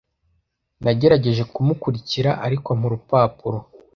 Nagerageje kumukurikira, ariko ampa urupapuro.